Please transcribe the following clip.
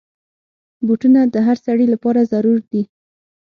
بوټونه د هر سړي لپاره ضرور دي.